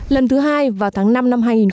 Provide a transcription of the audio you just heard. lần thứ hai vào tháng năm năm hai nghìn một mươi sáu